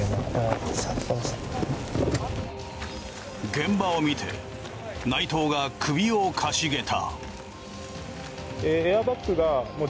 現場を見て内藤が首をかしげた。